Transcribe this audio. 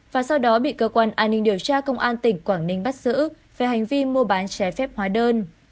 và sau đó bị cơ quan an ninh điều tra công an tỉnh quảng ninh bắt giữ về hành vi mua bán trái phép hóa đơn